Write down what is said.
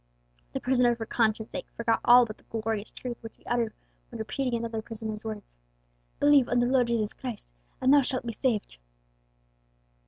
The prisoner for conscience' sake forgot all but the glorious truth which he uttered when repeating another prisoner's words, "'_Believe on the Lord Jesus Christ, and thou shalt be saved!